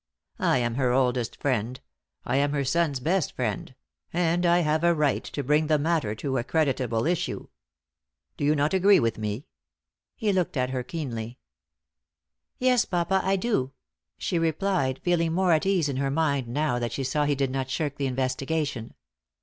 I am her oldest friend; I am her son's best friend; and I have a right to bring the matter to a creditable issue. Do you not agree with me?" He looked at her keenly. "Yes, papa, I do," she replied, feeling more at ease in her mind now that she saw he did not shirk the investigation.